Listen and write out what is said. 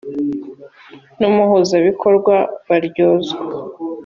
n umuhuzabikorwa baryozwa